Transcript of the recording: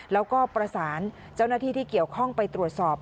แล้วก็ประสานเจ้าหน้าที่ที่เกี่ยวข้องไปตรวจสอบ